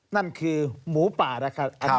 นั่นคือหมูป่านะครับ